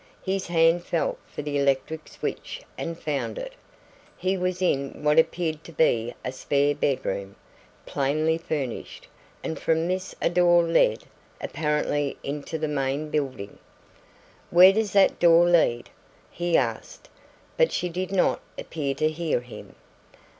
His hand felt for the electric switch and found it. He was in what appeared to be a spare bedroom, plainly furnished, and from this a door led, apparently into the main building. "Where does that door lead?" he asked, but she did not appear to hear him.